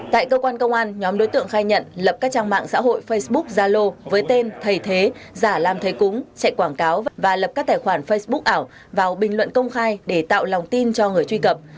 tại cơ quan công an nhóm đối tượng khai nhận lập các trang mạng xã hội facebook zalo với tên thầy thế giả lam thầy cúng chạy quảng cáo và lập các tài khoản facebook ảo vào bình luận công khai để tạo lòng tin cho người truy cập